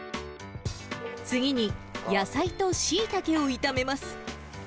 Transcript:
次に野菜とシイタケを炒めます。